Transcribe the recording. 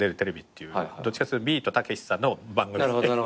っていうどっちかっつうとビートたけしさんの番組。